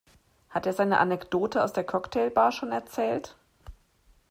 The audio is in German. Hat er seine Anekdote aus der Cocktailbar schon erzählt?